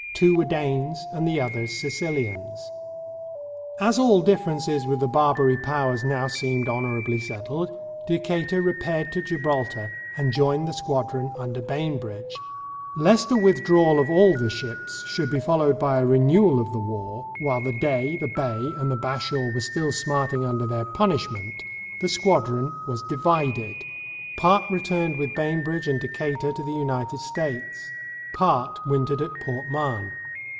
Two were Danes and the others Sicilians. As all differences with the Barbary Powers now seemed honorably settled, Decatur repaired to Gibraltar and joined the squadron under Bainbridge. Lest a with 306 THE BARBARY PIRATES drawal of all the ships should be followed by a renewal of the war while the Dey, the Bey, and the Bashaw were still smarting under their punishment, the squadron was divided. Part returned with Bainbridge and Decatur to the United States. Part wintered at Port Mahon.